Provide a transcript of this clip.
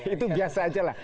itu biasa aja lah